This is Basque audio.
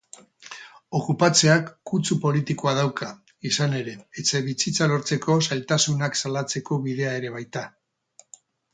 Okupatzeak kutsu politikoa dauka, izan ere, etxebizitza lortzeko zailtasunak salatzeko bidea ere baita.